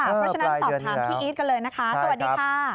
เพราะฉะนั้นสอบถามพี่อีทกันเลยนะคะสวัสดีค่ะ